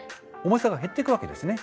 重さが減っていくわけですね。